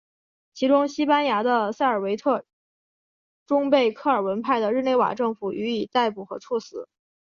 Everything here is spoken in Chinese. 其中西班牙的塞尔维特终被克尔文派的日内瓦政府予以逮捕和处死。